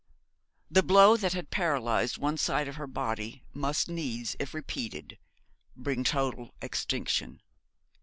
The blow that had paralysed one side of her body must needs, if repeated, bring total extinction.